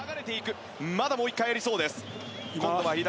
まだもう１回ありそうです。